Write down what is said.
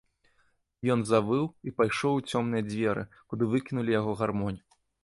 Ён завыў і пайшоў у цёмныя дзверы, куды выкінулі яго гармонь.